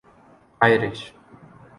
Irish